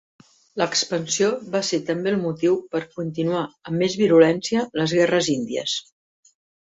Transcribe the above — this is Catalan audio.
L’expansió va ser també el motiu per continuar amb més virulència les guerres índies.